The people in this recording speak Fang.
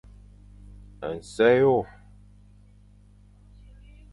Nsè hôr.